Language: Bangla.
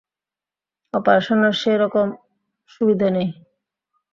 অপারেশনের সে রকম সুবিধা নেই।